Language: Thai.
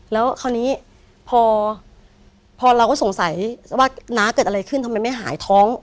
แล้วคราวนี้พอเราก็สงสัยว่าน้าเกิดอะไรขึ้นทำไมไม่หายท้อง